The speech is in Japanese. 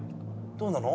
どうなの？